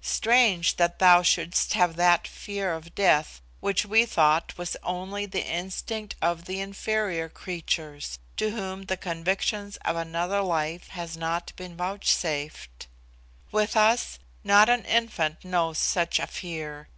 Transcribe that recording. Strange that thou shouldst have that fear of death which we thought was only the instinct of the inferior creatures, to whom the convictions of another life has not been vouchsafed. With us, not an infant knows such a fear.